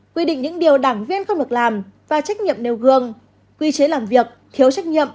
quy định những điều đảng viên không được làm và trách nhiệm nêu gương quy chế làm việc thiếu trách nhiệm